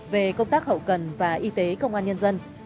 về công tác hậu cần và y tế công an nhân dân